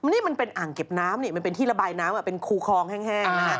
นี่มันเป็นอ่างเก็บน้ำนี่มันเป็นที่ระบายน้ำเป็นคูคลองแห้งนะฮะ